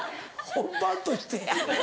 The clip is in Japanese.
本番としてや。